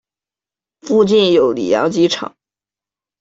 附近有里扬机场。